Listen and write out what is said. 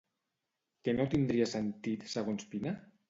Què no tindria sentit segons Pina?